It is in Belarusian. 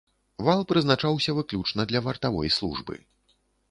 Вал прызначаўся выключна для вартавой службы.